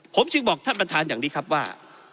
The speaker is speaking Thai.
ผมจึงบอกท่านประธานอย่างนี้ครับว่า